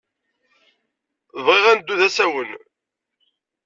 Bɣiɣ ad neddu d asawen.